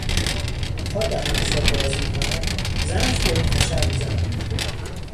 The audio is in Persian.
تا دهانش را باز میکند زنش به او تشر میزند.